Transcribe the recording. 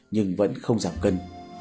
nhưng vẫn không giảm cân